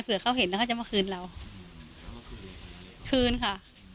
เขาเห็นแล้วเขาจะมาคืนเราคืนค่ะ